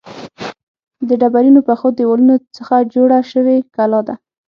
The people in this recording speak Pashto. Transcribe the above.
له ډبرینو پخو دیوالونو څخه جوړه شوې کلا ده.